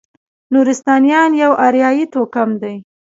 نورستانیان یو اریایي توکم دی.